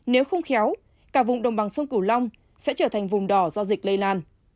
nếu không khéo cả vùng đồng bằng sông cửu long sẽ trở thành vùng đỏ do dịch lây lan